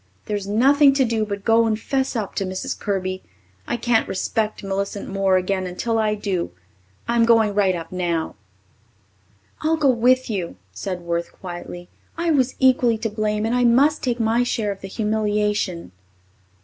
There's nothing to do but go and 'fess up to Mrs. Kirby. I can't respect Millicent Moore again until I do. I'm going right up now." "I'll go with you," said Worth quietly. "I was equally to blame and I must take my share of the humiliation."